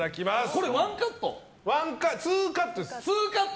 これ、ワンカット？